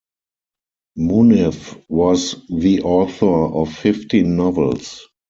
Munif was the author of fifteen novels.